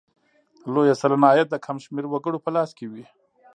لویه سلنه عاید د کم شمېر وګړو په لاس کې وي.